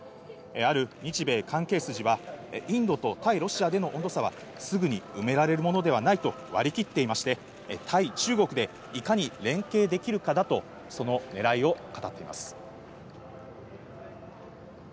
ある日米関係筋はインドと対ロシアでの温度差はすぐに埋められるものではないと割り切っていまして、対中国でいかに連携できるかだとそのねらいを語っています。